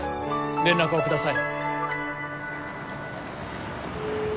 連絡をください。